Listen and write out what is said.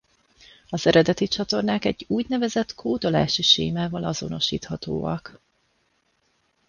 Az eredeti csatornák egy úgynevezett kódolási sémával azonosíthatóak.